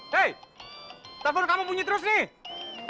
hey telepon kamu bunyi terus nih